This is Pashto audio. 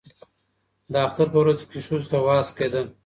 د اختر په ورځو کې ښځو ته وعظ کېده.